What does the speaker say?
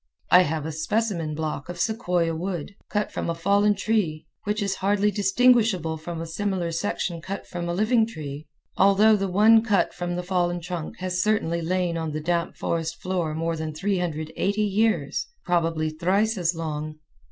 I have a specimen block of sequoia wood, cut from a fallen tree, which is hardly distinguishable from a similar section cut from a living tree, although the one cut from the fallen trunk has certainly lain on the damp forest floor more than 380 years, probably thrice as long.